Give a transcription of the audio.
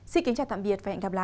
xin kính chào tạm biệt và hẹn gặp lại